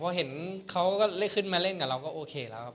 พอเห็นเขาก็ได้ขึ้นมาเล่นกับเราก็โอเคแล้วครับ